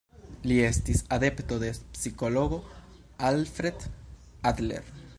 Li estis adepto de psikologo Alfred Adler.